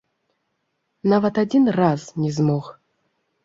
Нават адзін раз не змог!